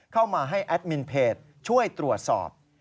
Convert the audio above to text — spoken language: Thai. เข้ามาให้แอดมินเพจช่วยตรวจสอบ